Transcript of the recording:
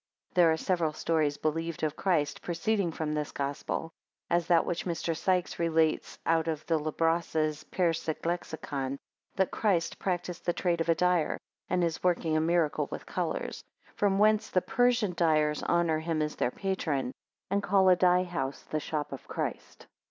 There are several stories believed of Christ, proceeding from this Gospel; as that which Mr. Sike relates out of La Brosse's Persic Lexicon, that Christ practised the trade of a dyer, and his working a miracle with the colours; from whence the Persian dyers honour him as their patron, and call a dye house the shop of Christ.